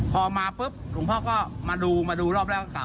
พอมาปุ๊บหลวงพ่อก็มาดูมาดูรอบแรกเก่า